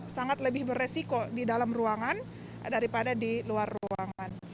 sangat lebih beresiko di dalam ruangan daripada di luar ruangan